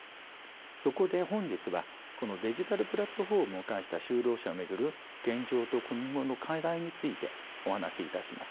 そこで本日はこのデジタルプラットフォームを介した就労者を巡る現状と今後の課題についてお話しいたします。